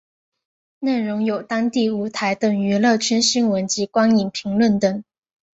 内容有当地舞台等娱乐圈新闻及观影评论等。